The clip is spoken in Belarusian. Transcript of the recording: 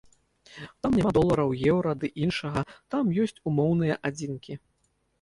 Там няма долараў, еўра ды іншага, там ёсць умоўныя адзінкі.